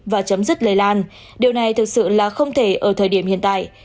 và chấm dứt lây lan điều này thực sự là không thể ở thời điểm hiện tại